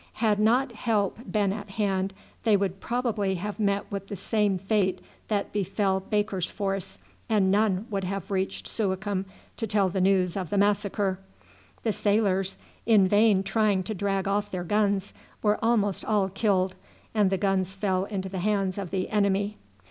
Had not help been at hand they would probably have met with the same fate that befell Baker's force, and none would have reached Suakim to tell the news of the massacre. The sailors, in vain trying to drag off their guns, were almost all killed, and the guns fell into the hands of the enemy.